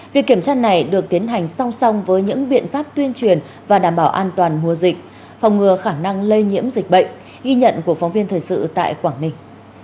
việc kiểm tra này được tiến hành song song với những biện pháp tuyên truyền và đảm bảo an toàn mùa dịch phòng ngừa khả năng lây nhiễm dịch bệnh ghi nhận của phóng viên thời sự tại quảng ninh